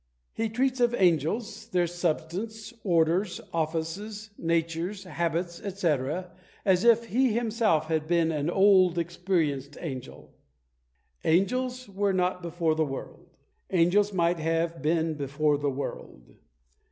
He treats of angels, their substance, orders, offices, natures, habits, &c., as if he himself had been an old experienced angel! Angels were not before the world! Angels might have been before the world!